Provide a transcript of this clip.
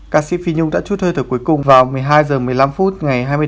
ca sĩ phi nhung đã trút hơi thở cuối cùng vào một mươi hai h một mươi năm phút ngày hai mươi tám chín